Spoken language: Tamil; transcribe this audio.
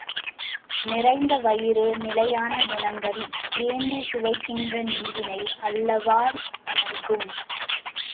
நிறைந்த வயிறு, நிலையான குணங்களை ஏந்திச் சுவைக்கின்ற நெஞ்சினை அல்லவா நல்கும்!